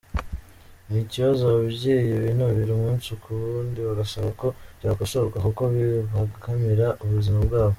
Ni ikibazo ababyeyi binubira umunsi ku wundi bagasaba ko byakosorwa kuko bibangamira ubuzima bwabo.